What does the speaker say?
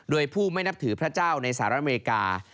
โดยผู้ไม่นับถือพระเจ้าในสหรัฐอเมริกา